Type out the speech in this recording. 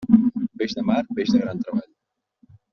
Peix de mar, peix de gran treball.